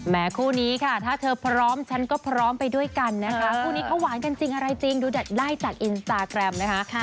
คู่นี้ค่ะถ้าเธอพร้อมฉันก็พร้อมไปด้วยกันนะคะคู่นี้เขาหวานกันจริงอะไรจริงดูได้จากอินสตาแกรมนะคะ